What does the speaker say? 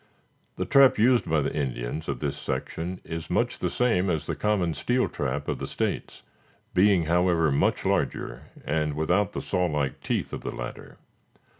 The trap used by the Indians of this section is much the same as the common steel trap of the States, being, however, much larger, and without the saw like teeth of the latter.